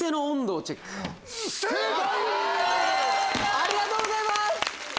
ありがとうございます！